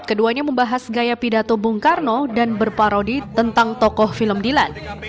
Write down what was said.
keduanya membahas gaya pidato bung karno dan berparodi tentang tokoh film dilan